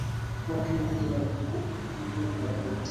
watu wengi walikufa kwenye meli ya titanic